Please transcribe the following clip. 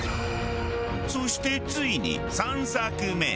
そしてついに３作目。